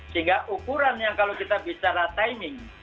sehingga ukuran yang kalau kita bicara timing